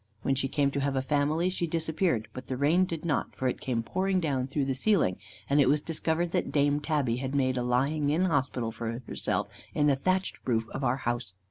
When she came to have a family, she disappeared, but the rain did not, for it came pouring down through the ceiling, and it was discovered that Dame Tabby had made a lying in hospital for herself in the thatched roof of our house.